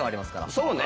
そうね。